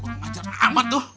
ngacar amat tuh